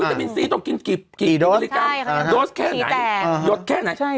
วิตามินซีต้องกินกี่กี่โดสใช่ค่ะโดสแค่ไหนอ่าโดสแค่ไหนใช่